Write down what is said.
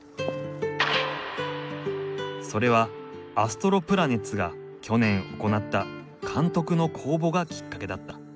それはアストロプラネッツが去年行った監督の公募がきっかけだった。